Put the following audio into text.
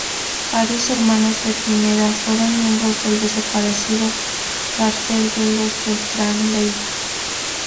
Varios hermanos de Pineda fueron miembros del desaparecido Cártel de los Beltrán Leyva.